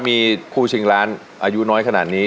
มีคู่ชิงล้านอายุน้อยขนาดนี้